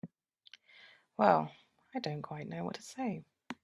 Well—I don't quite know what to say.